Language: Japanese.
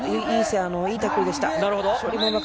いいタックルでした。